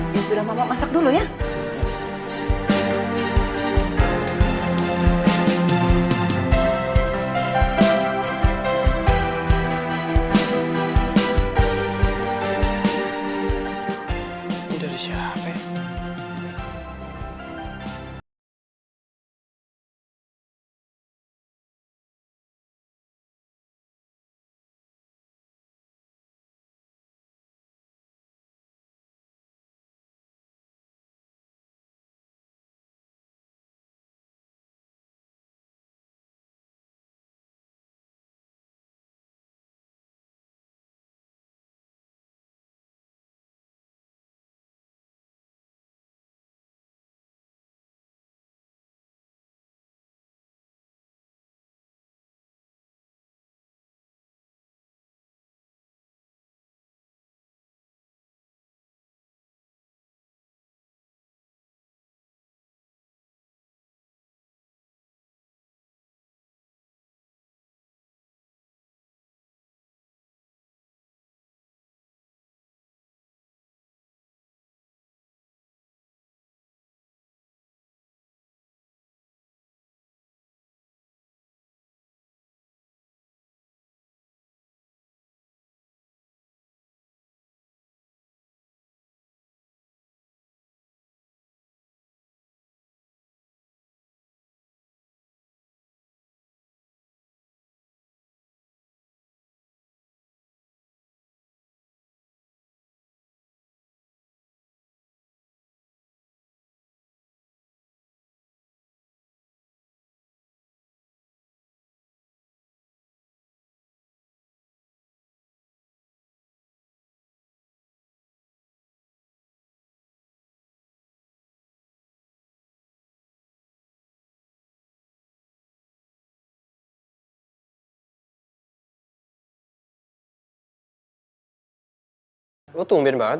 ya sudah mama masak dulu ya